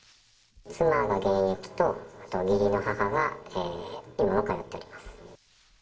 妻が現役と、義理の母が今も通っております。